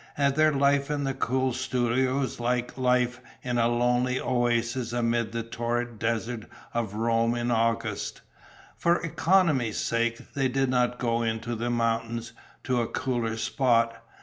And their life in the cool studio was like life in a lonely oasis amid the torrid desert of Rome in August. For economy's sake, they did not go into the mountains, to a cooler spot.